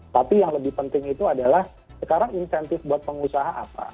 tapi yang lebih penting itu adalah sekarang insentif buat pengusaha apa